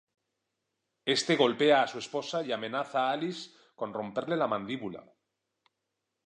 Éste golpea a su esposa y amenaza a Alice con romperle la mandíbula.